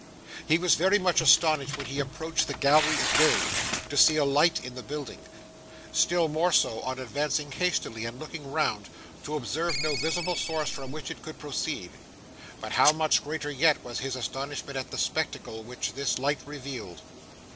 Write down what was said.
He was very much astonished when he approached the gallery again, to see a light in the building: still more so, on advancing hastily and looking round, to observe no visible source from which it could proceed. But how much greater yet was his astonishment at the spectacle which this light revealed.